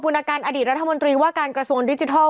คุณอาการอดีตรัฐมนตรีว่าการกระทรวงดิจิทัล